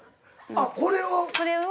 あっこれを？